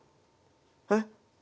えっ？